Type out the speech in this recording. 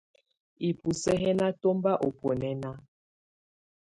Ibusǝ́ yɛ̀ nà tɔmba ù bunɛna.